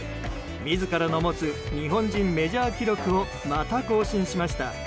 自らの持つ日本人メジャー記録をまた更新しました。